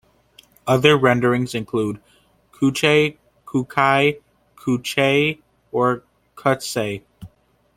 Other renderings include "cuchay", "kucai", "kuchay", or "kutsay".